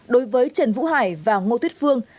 đối với trần vũ hải và ngô thuyết phương